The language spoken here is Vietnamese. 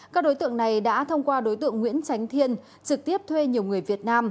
các đối tượng này đã thông qua đối tượng nguyễn tránh thiên trực tiếp thuê nhiều người việt nam